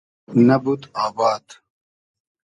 نئبود آباد